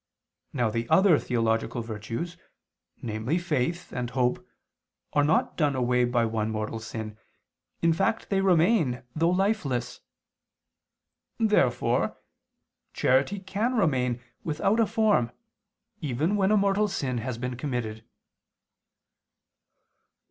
Now the other theological virtues, namely faith and hope, are not done away by one mortal sin, in fact they remain though lifeless. Therefore charity can remain without a form, even when a mortal sin has been committed.